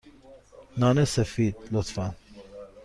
نان سفید، لطفا.